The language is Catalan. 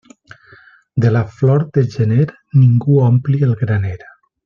De la flor de gener ningú ompli el graner.